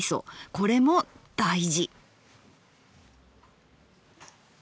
これも大事。